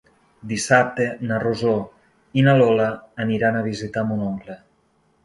Dissabte na Rosó i na Lola aniran a visitar mon oncle.